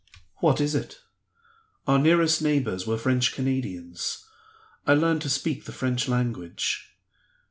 "What is it?" "Our nearest neighbors were French Canadians. I learned to speak the French language."